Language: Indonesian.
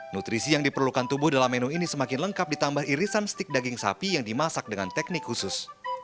nutrisi yang diperlukan tubuh dalam menu ini semakin lengkap ditambah irisan stik daging sapi yang dimasak dengan teknik khusus